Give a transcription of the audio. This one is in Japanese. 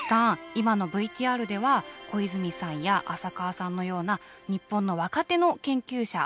今のＶＴＲでは小泉さんや浅川さんのような日本の若手の研究者見てきましたよね。